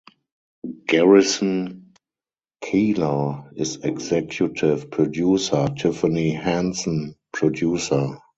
Garrison Keillor is executive producer, Tiffany Hanssen producer.